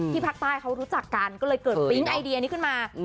ภาคใต้เขารู้จักกันก็เลยเกิดปิ๊งไอเดียนี้ขึ้นมา